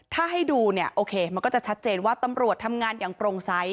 ถ้าให้ดูเนี่ยโอเคมันก็จะชัดเจนว่าตำรวจทำงานอย่างโปร่งใส